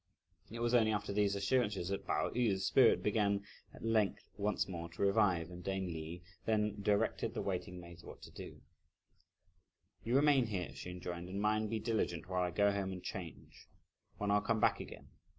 It was only after these assurances that Pao yü's spirits began at length, once more to revive, and dame Li then directed the waiting maids what to do. "You remain here," she enjoined, "and mind, be diligent while I go home and change; when I'll come back again.